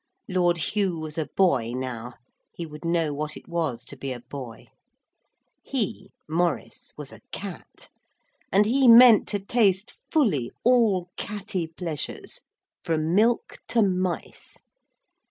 Lord Hugh was a boy now; he would know what it was to be a boy. He, Maurice, was a cat, and he meant to taste fully all catty pleasures, from milk to mice.